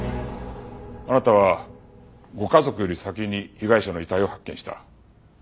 あなたはご家族より先に被害者の遺体を発見した。